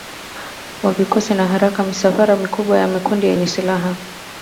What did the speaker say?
wa vikosi na harakati za misafara mikubwa ya makundi yenye silaha